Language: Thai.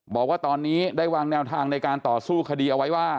บอกว่าตอนนี้ได้วางแนวทางในการต่อสู้คดีเอาไว้ว่า